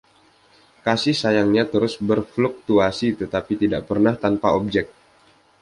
Kasih sayangnya terus berfluktuasi tetapi tidak pernah tanpa objek.